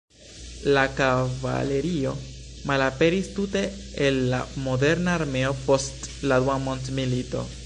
La kavalerio malaperis tute el la moderna armeo post la Dua Mondmilito.